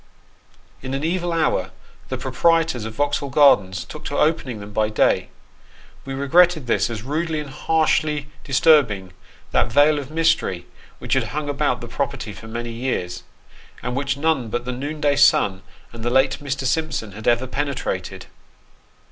In an evil hour, the proprietors of Vauxhall Gardens took to opening them by day. We regretted this, as rudely and harshly disturbing that veil of mystery which had hung about the property for many years, and which none but the noonday sun, and the late Mr. Simpson, had ever penetrated.